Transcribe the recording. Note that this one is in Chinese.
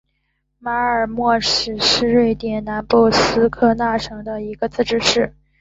马尔默市是瑞典南部斯科讷省的一个自治市。